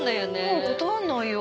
うん断んないよ。